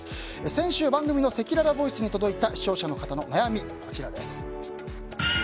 先週、番組のせきららボイスに届いた視聴者の方の悩み、こちらです。